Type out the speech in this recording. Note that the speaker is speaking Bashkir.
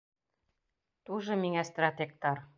Туже миңә стратегтар!